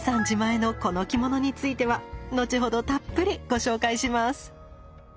自前のこの着物については後ほどたっぷりご紹介します。